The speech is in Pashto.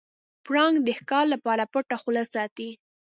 پړانګ د ښکار لپاره پټه خوله ساتي.